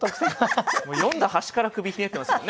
もう読んだ端から首ひねってますもんね。